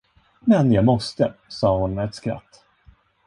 "Men jag måste," sa hon med ett skratt.